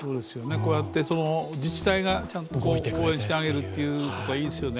こうやって自治体がちゃんと応援してあげるというのはいいですよね。